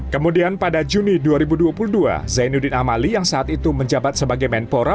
kemudian pada juni dua ribu dua puluh dua zainuddin amali yang saat itu menjabat sebagai menpora